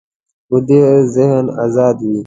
ویده ذهن ازاد وي